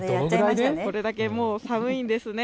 これだけ寒いんですね。